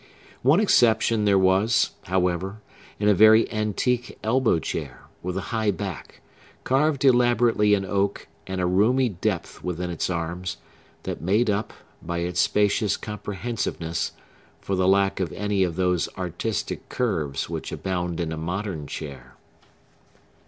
One exception there was, however, in a very antique elbow chair, with a high back, carved elaborately in oak, and a roomy depth within its arms, that made up, by its spacious comprehensiveness, for the lack of any of those artistic curves which abound in a modern chair.